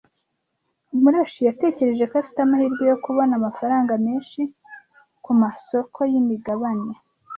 Murashyi yatekereje ko afite amahirwe yo kubona amafaranga menshi kumasoko yimigabane.